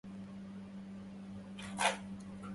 كلتاهما حُكِم عليهما بالإعدام.